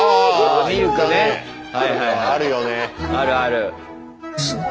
あるある。